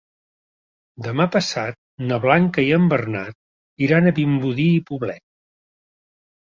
Demà passat na Blanca i en Bernat iran a Vimbodí i Poblet.